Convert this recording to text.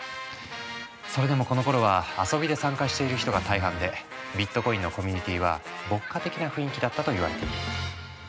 それでもこのころは遊びで参加している人が大半でビットコインのコミュニティーは牧歌的な雰囲気だったといわれている。